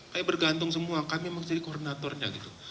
kami bergantung semua kami memang jadi koordinatornya gitu